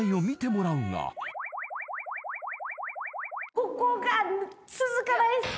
ここが続かない。